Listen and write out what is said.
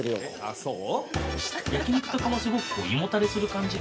◆あ、そう？